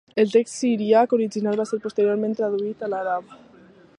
El text siríac original va ser posteriorment traduït a l'àrab.